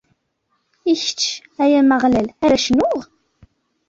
I kečč, ay Ameɣlal, ara cnuɣ!